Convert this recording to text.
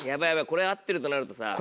これ合ってるとなるとさ